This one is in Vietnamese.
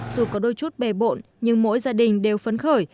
dù có đôi chút bề bộn nhưng mỗi gia đình đều phấn khởi